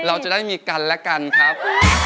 เราจะได้มีกันและกันครับ